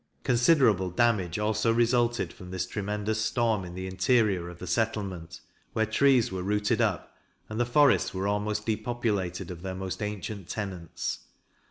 Considerable damage also resulted from this tremendous storm in the interior of the settlement, where trees were rooted up, and the forests were almost depopulated of their most ancient tenants.